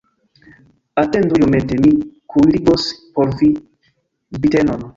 Atendu iomete, mi kuirigos por vi zbitenon!